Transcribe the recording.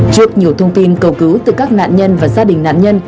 trước nhiều thông tin cầu cứu từ các nạn nhân và gia đình nạn nhân